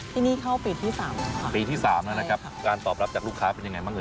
ที่นี่เข้าปีที่สามแล้วค่ะปีที่สามแล้วนะครับการตอบรับจากลูกค้าเป็นยังไงบ้างเอ